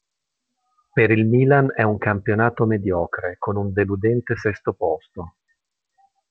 Per il Milan è un campionato mediocre, con un deludente sesto posto.